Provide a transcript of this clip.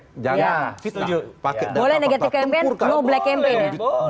boleh negatif kempen no black kempen